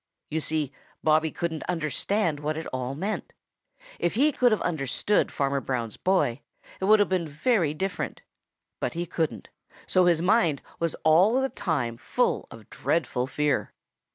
You see, Bobby couldn't understand what it all meant. If he could have understood Farmer Brown's boy, it would have been very different. But he couldn't, and so his mind was all the time full of dreadful fear.